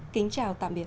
kính chào tạm biệt